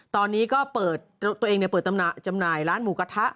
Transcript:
ตอนนี้ก็เปิดตัวเองเปิดจำหน่ายร้านหมูกระทะ